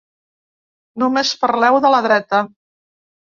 Només parleu de la dreta.